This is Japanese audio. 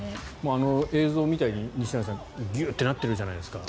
あの映像を見て、西成さんギュッてなってるじゃないですか